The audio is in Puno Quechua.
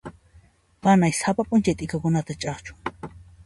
Panay sapa p'unchay t'ikakunata ch'akchun.